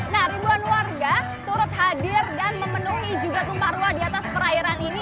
nah ribuan warga turut hadir dan memenuhi juga tumpah ruah di atas perairan ini